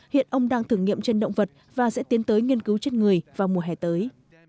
hiện ông đang thử nghiệm trên động vật và sẽ tiến tới nghiên cứu trên người vào mùa hè tới